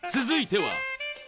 続いては。